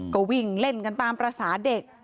ก็วิ่งเล่นกันตามภาษาเด็ก